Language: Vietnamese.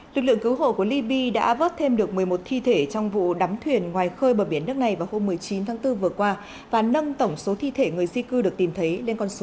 lực lượng cứu hộ của liby đã vớt thêm được một mươi một thi thể trong vụ đắm thuyền ngoài khơi bờ biển nước này vào hôm một mươi chín tháng bốn vừa qua và nâng tổng số thi thể người di cư được tìm thấy lên con số